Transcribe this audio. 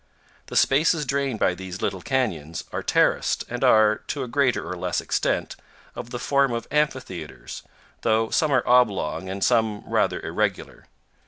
The spaces drained by these little canyons are terraced, and are, to a greater or less extent, of the form of amphitheaters, though some are oblong and some rather irregular.